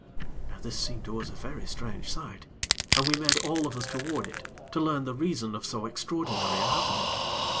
Now this seemed to us a very strange sight, and we made all of us toward it, to learn the reason of so extraordinary a happening.